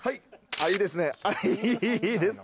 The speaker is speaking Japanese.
ああいいですね。